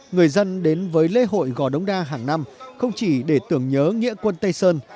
người dân đến với lễ hội gò đống đa hàng năm không chỉ để tưởng nhớ nghĩa quân tây sơn